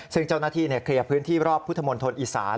ซึ่งเจ้าหน้าที่เกลี่ยพื้นที่รอบพุทธมนตร์ทนอีสาน